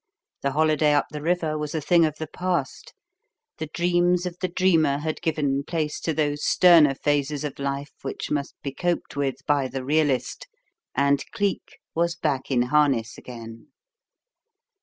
The holiday up the river was a thing of the past; the dreams of the Dreamer had given place to those sterner phases of life which must be coped with by the Realist; and Cleek was "back in harness" again.